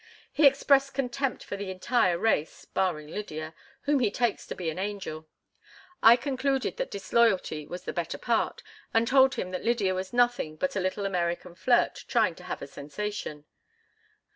He expressed contempt for the entire race, barring Lydia, whom he takes to be an angel. I concluded that disloyalty was the better part, and told him that Lydia was nothing but a little American flirt trying to have a sensation.